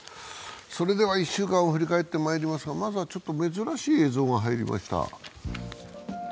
それでは１週間を振り返っていきますがまずは珍しい映像が入りました。